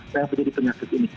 saya yakin jadi penyakit ini